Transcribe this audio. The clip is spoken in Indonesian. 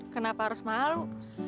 kenapa harus malu